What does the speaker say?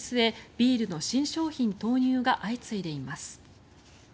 ビールの新商品投入が相次いでいます。